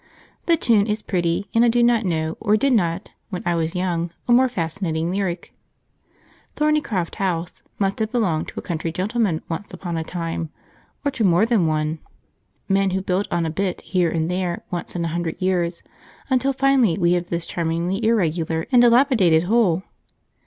The tune is pretty, and I do not know, or did not, when I was young, a more fascinating lyric. {The sitting hens: p17.jpg} Thornycroft House must have belonged to a country gentleman once upon a time, or to more than one; men who built on a bit here and there once in a hundred years, until finally we have this charmingly irregular and dilapidated whole.